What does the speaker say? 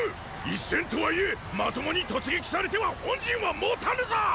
一千とはいえまともに突撃されては本陣はもたぬぞ！